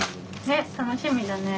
ね楽しみだね。